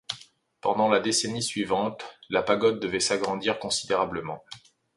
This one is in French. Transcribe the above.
Pendant la décennie suivante, la Pagode devait s'agrandir considérablement.